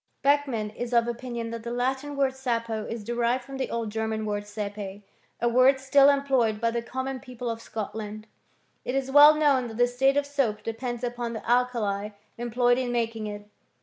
Beck mann is of opinion that the Latin word sapo is de rived from the old German word sepe, a word still employed by the common people of Scotland.f It is well known that the state of soap depends upon the alkali employed in making it.